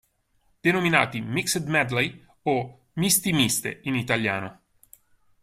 Denominati "mixed medley" o "misti miste" in italiano.